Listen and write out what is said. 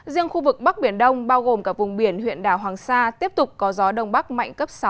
riêng khu vực bắc biển đông bao gồm cả vùng biển huyện đảo hoàng sa tiếp tục có gió đông bắc mạnh cấp sáu